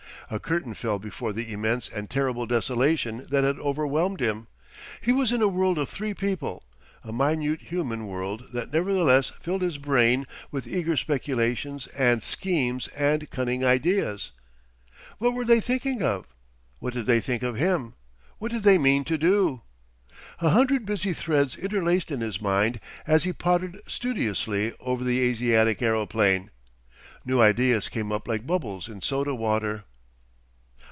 A curtain fell before the immense and terrible desolation that had overwhelmed him. He was in a world of three people, a minute human world that nevertheless filled his brain with eager speculations and schemes and cunning ideas. What were they thinking of? What did they think of him? What did they mean to do? A hundred busy threads interlaced in his mind as he pottered studiously over the Asiatic aeroplane. New ideas came up like bubbles in soda water.